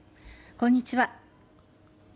こんにちは。